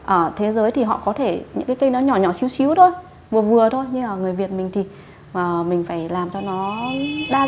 ở thế giới thì họ có thể những cái cây nó nhỏ nhỏ xíu xíu thôi vừa vừa thôi nhưng mà người việt mình thì mình phải làm cho nó đa dạng